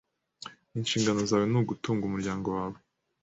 Inshingano zawe ni ugutunga umuryango wawe .